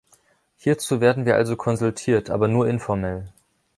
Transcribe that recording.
Hierzu werden wir also konsultiert, aber nur informell.